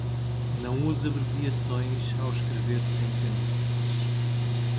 Não use abreviações ao escrever sentenças